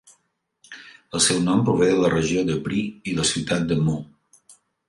El seu nom prové de la regió de Brie i la ciutat de Meaux.